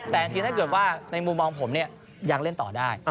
แต่จริงถ้าเกิดว่าในมุมมองผมเนี่ยยังเล่นต่อได้